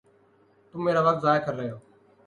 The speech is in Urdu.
تم میرا وقت ضائع کر رہے ہو